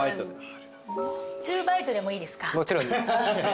もちろんです。